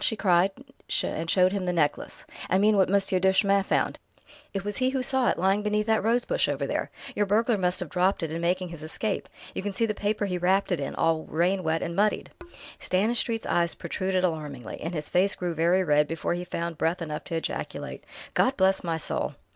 she cried, and showed him the necklace. "I mean, what Monsieur Duchemin found. It was he who saw it, lying beneath that rose bush over there. Your burglar must have dropped it in making his escape; you can see the paper he wrapped it in, all rain wet and muddied." Stanistreet's eyes protruded alarmingly, and his face grew very red before he found breath enough to ejaculate: "God bless my soul!"